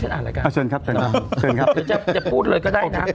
ไม่ให้ฉันอ่านรายการหรือจะพูดเลยก็ได้นะ